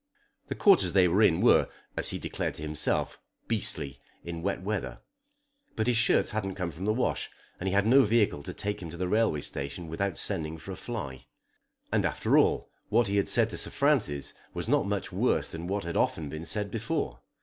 The quarters they were in were, as he declared to himself, "beastly" in wet weather; but his shirts hadn't come from the wash, and he had no vehicle to take him to the railway station without sending for a fly. And after all what he had said to Sir Francis was not much worse than what had often been said before.